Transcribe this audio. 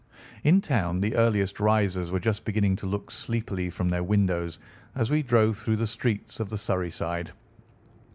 In town the earliest risers were just beginning to look sleepily from their windows as we drove through the streets of the Surrey side.